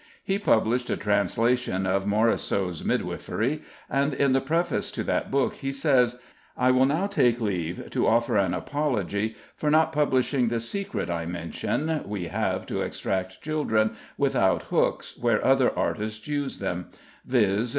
He published a translation of Mauriceau's Midwifery, and in the preface to that book he says: "I will now take leave to offer an apology for not publishing the secret I mention we have to extract children without hooks where other artists use them; viz.